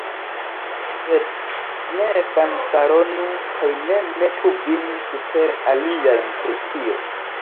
Sed ne fanfaronu kaj ne metu vin super aliajn pri tio.